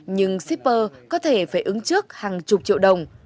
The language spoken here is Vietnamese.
nhưng shipper có thể phải ứng trước hàng chục triệu đồng